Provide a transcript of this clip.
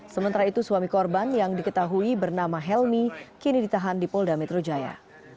sementara itu suami korban yang diketahui bernama helmi kini ditahan di polda metro jaya